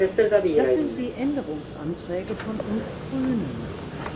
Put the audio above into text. Das sind die Änderungsanträge von uns Grünen.